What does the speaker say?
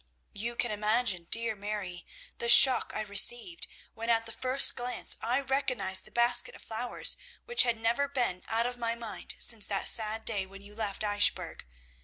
"You can imagine, dear Mary, the shock I received, when at the first glance I recognised the basket of flowers which had never been out of my mind since that sad day when you left Eichbourg.